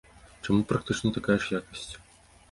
Чаму практычна такая ж якасць?